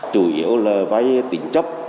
chủ yếu là vay tỉnh chấp